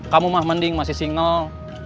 kamu mah mending masih single